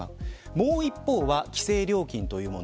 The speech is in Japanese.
もう一方は規制料金というもの。